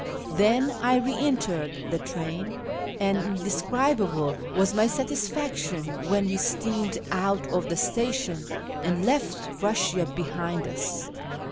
Then I re entered the train, and indescribable was my satisfaction when we steamed out of the station and left Eussia behind us.